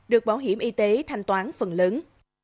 được bảo hiểm y tế thanh toán phần lớn